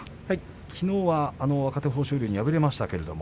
きのうは若手豊昇龍に敗れましたけれども。